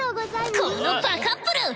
このバカップル！